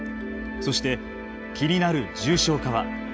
そして、気になる重症化は？